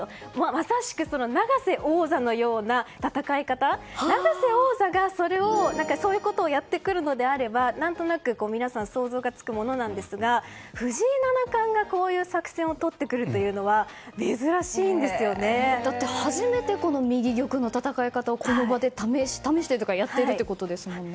まさしく永瀬王座のような戦い方永瀬王座が、そういうことをやってくるのであれば何となく皆さん想像がつくものなんですが藤井七冠が、こういう作戦をとってくるというのはだって初めて右玉の戦い方をこの場で試してというかやっているということですもんね。